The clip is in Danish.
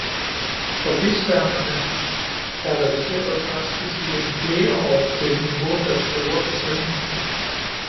For bisværmene er reduceret drastisk igennem flere år til et niveau, der truer bestøvningen.